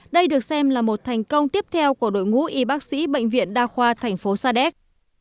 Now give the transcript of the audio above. đây được xem là một thành công tiếp theo của đội ngũ y bác sĩ bệnh viện đa khoa tp sadek